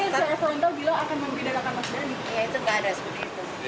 ya itu tidak ada seperti itu